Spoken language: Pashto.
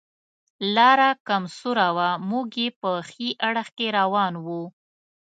لاره کم سوره وه، موږ یې په ښي اړخ کې روان و.